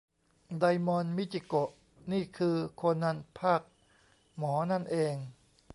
ไดมอน มิจิโกะ นี่คือโคนันภาคหมอนั่นเอง